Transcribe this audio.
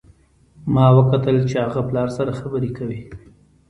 ما وکتل چې هغه خپل پلار سره خبرې کوي